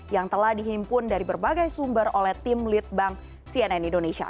yang telah dihimpun dari berbagai sumber oleh tim lead bank cnn indonesia